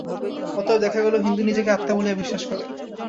অতএব দেখা গেল, হিন্দু নিজেকে আত্মা বলিয়া বিশ্বাস করে।